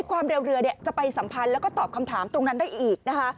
ความเร็วเรือจะไปสัมพันธ์แล้วก็ตอบคำถามตรงนั้นได้อีกนะคะ